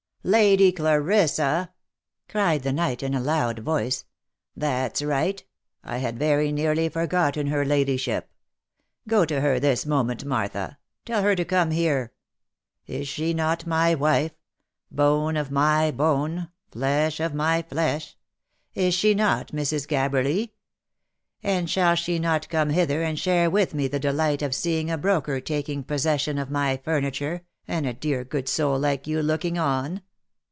" Lady Clarissa !" cried the knight in a loud voice. " That's right ! I had very nearly forgotten her ladyship. Go to her this moment, Martha — tell her to come here. Is she not my wife — bone of my OF MICHAEL ARMSTRONG. 351 bone — flesh of my flesh ? Is she not, Mrs. Gabberly ? And shall she not come hither and share with me the delight of seeing a broker taking possession of my furniture, and a dear good soul like you look ing on